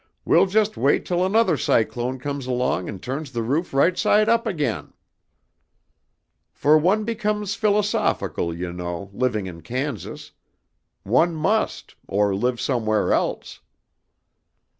'We will just wait till another cyclone comes along and turns the roof right side up again.' "For one becomes philosophical, you know, living in Kansas. One must, or live somewhere else....